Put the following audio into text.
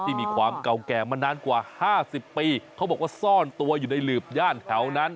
มีความเก่าแก่มานานกว่า๕๐ปีเขาบอกว่าซ่อนตัวอยู่ในหลืบย่านแถวนั้น